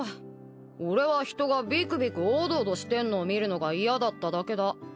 俺は人がびくびくおどおどしてんのを見るのが嫌だっただけだ。